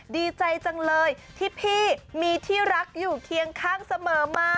ดีใจจังเลยที่พี่มีที่รักอยู่เคียงข้างเสมอมา